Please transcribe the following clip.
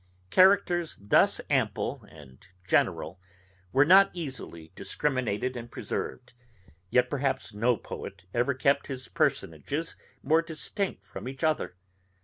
Characters thus ample and general were not easily discriminated and preserved, yet perhaps no poet ever kept his personages more distinct from each other.